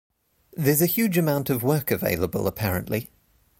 There's a huge amount of work available, apparently.